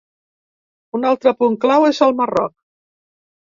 Un altre punt clau és el Marroc.